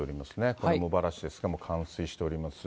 これ茂原市ですが、冠水しております。